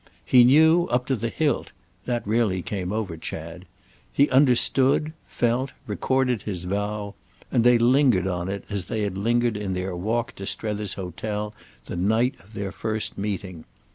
He knew, up to the hilt—that really came over Chad; he understood, felt, recorded his vow; and they lingered on it as they had lingered in their walk to Strether's hotel the night of their first meeting.